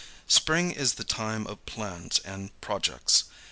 Spring is the time of plans and projects.